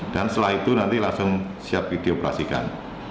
setelah itu nanti langsung siap dioperasikan